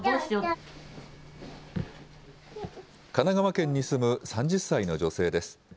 神奈川県に住む３０歳の女性です。